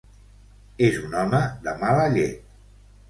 És un home de mala llet.